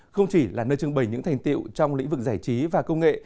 không chỉ là nơi trưng bày những thành tiệu trong lĩnh vực giải trí và công nghệ